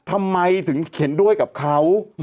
ว่าทำไมถึงเขียนด้วยกับเขา